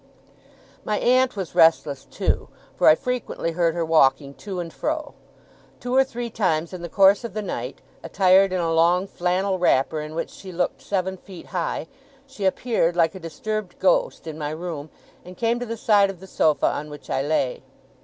My aunt was restless, too, for I frequently heard her walking to and fro. Two or three times in the course of the night, attired in a long flannel wrapper in which she looked seven feet high, she appeared, like a disturbed ghost, in my room, and came to the side of the sofa on which I lay.